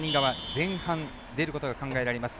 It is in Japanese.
前半、出ることが考えられます。